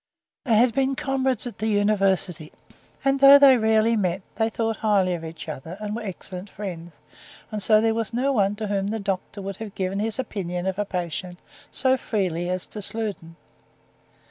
They had been comrades at the university, and though they rarely met, they thought highly of each other and were excellent friends, and so there was no one to whom the doctor would have given his opinion of a patient so freely as to Sludin.